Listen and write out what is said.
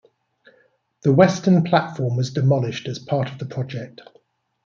The western platform was demolished as part of the project.